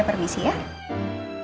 wah bernas lupa extrem awesome